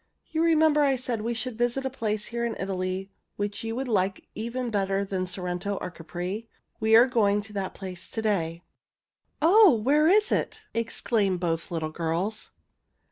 "You remember I said we should visit a place here in Italy which you would like even better than Sorrento or Capri. We are going to that place to day." "Oh, where is it?" exclaimed both little girls.